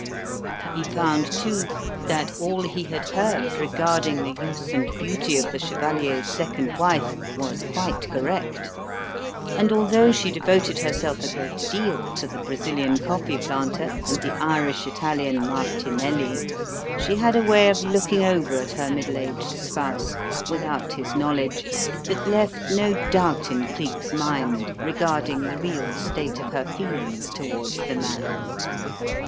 He found, too, that all he had heard regarding the youth and beauty of the chevalier's second wife was quite correct, and although she devoted herself a great deal to the Brazilian coffee planter and the Irish Italian "Martinelli," she had a way of looking over at her middle aged spouse, without his knowledge, that left no doubt in Cleek's mind regarding the real state of her feelings towards the man.